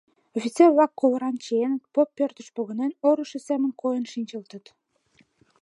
Офицер-влак ковыран чиеныт, поп пӧртыш погынен, орышо семын койын шинчылтыт.